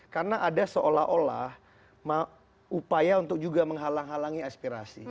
karena ada seolah olah upaya untuk juga menghalang halangi aspirasi